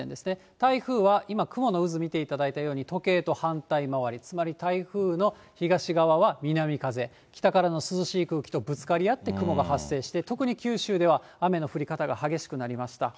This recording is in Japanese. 台風は今、雲の渦見ていただいたように、時計と反対回り、つまり台風の東側は南風、北からの涼しい空気とぶつかり合って雲が発生して、特に九州では雨の降り方が激しくなりました。